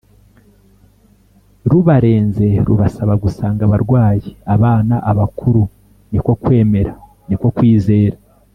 rubarenze, rubasaba gusanga abarwayi, abana, abakuru,… ni ko kwemera, niko kwizera.